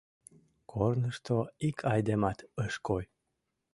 Корнышто ик айдемат ыш кой.